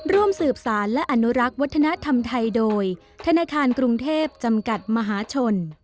ร่วมสืบสารและอนุรักษ์วัฒนธรรมไทยโดยธนาคารกรุงเทพจำกัดมหาชน